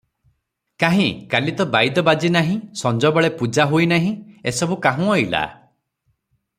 କାହିଁ, କାଲି ତ ବାଇଦ ବାଜି ନାହିଁ, ସଞ୍ଜବେଳେ ପୂଜା ହୋଇନାହିଁ, ଏସବୁ କାହୁଁ ଅଇଲା?